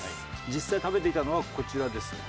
実際食べていたのはこちらですね。